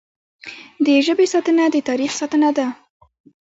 د ژبې ساتنه د تاریخ ساتنه ده.